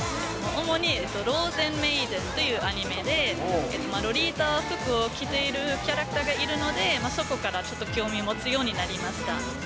主にローゼンメイデンというアニメで、ロリータ服を着ているキャラクターがいるので、そこからちょっと興味を持つようになりました。